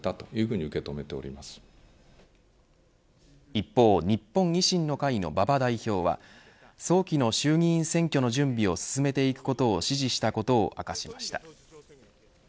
一方日本維新の会の馬場代表は早期の衆議院選挙の準備を進めていくことを指示したことを明かしました。